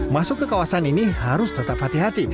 masuk ke kawasan ini harus tetap hati hati